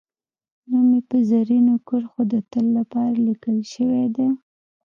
نوم یې په زرینو کرښو د تل لپاره لیکل شوی دی